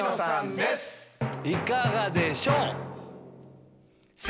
いかがでしょう？